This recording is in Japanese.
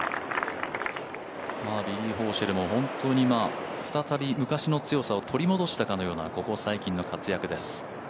ビリー・ホーシェルも再び昔の強さを取り戻したかのようなここ最近の活躍です